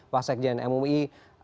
pak sekjen mui